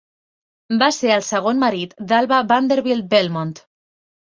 Va ser el segon marit d'Alva Vanderbilt Belmont.